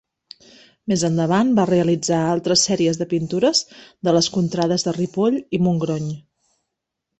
Més endavant va realitzar altres sèries de pintures de les contrades de Ripoll i Montgrony.